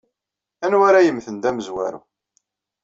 Anwa ara yemmten d amezwaru?